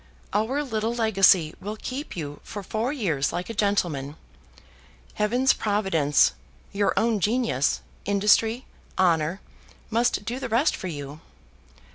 "Our little legacy will keep you for four years like a gentleman. Heaven's Providence, your own genius, industry, honor, must do the rest for you.